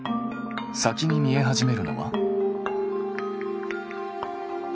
先に見え始めるのは？